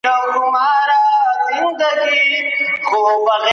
هرات ولایت د زعفرانو اصلي مرکز ګڼل کېږي.